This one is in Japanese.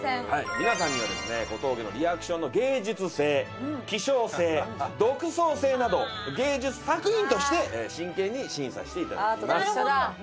皆さんにはですね小峠のリアクションの芸術性希少性独創性など芸術作品として真剣に審査して頂きます。